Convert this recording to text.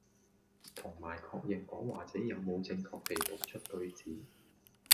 同埋確認講話者有冇正確地讀出句子